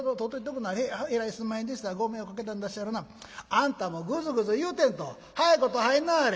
あんたもぐずぐず言うてんと早いこと入んなはれ」。